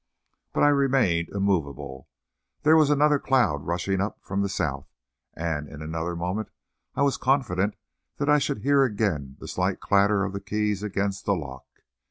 But I remained immovable. There was another cloud rushing up from the south, and in another moment I was confident that I should hear again the slight clatter of the key against the lock.